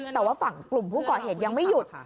แต่ว่าฝั่งกลุ่มผู้ก่อเหตุยังไม่หยุด